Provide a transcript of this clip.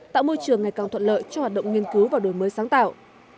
tạo môi trường ngày càng thuận lợi cho hoạt động nghiên cứu và đổi mới sáng tạo